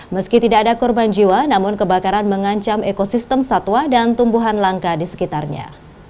meski tidak ada korban jiwa namun kebakaran mengancam ekosistem satwa dan tumbuhan langka di sekitarnya